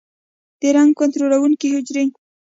د رنګ کنټرولونکو حجرې